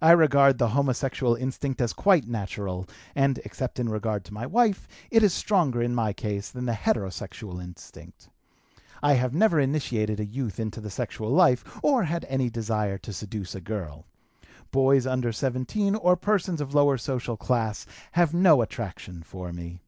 I regard the homosexual instinct as quite natural, and, except in regard to my wife, it is stronger in my case than the heterosexual instinct. I have never initiated a youth into the sexual life or had any desire to seduce a girl. Boys under 17, or persons of lower social class, have no attraction for me."